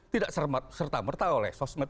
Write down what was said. tidak serta merta oleh sosmed